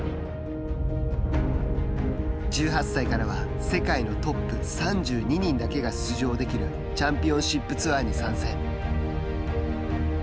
１８歳からは世界のトップ３２人だけが出場できるチャンピオンシップツアーに参戦。